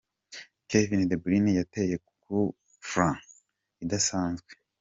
Kevin De Bryne yateye coup franc idasanzwe.